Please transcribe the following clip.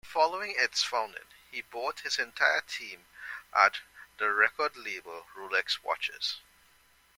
Following its founding, he bought his entire team at the record label Rolex watches.